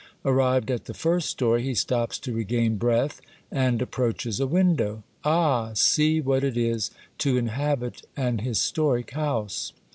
Arrived at the first story he stops to regain breath, and approaches a window. Ah ! see what it is to inhabit an historic house.